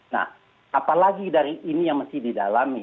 nah apalagi dari ini yang mesti didalami